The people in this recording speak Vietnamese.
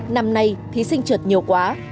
năm nay thí sinh trượt nhiều quá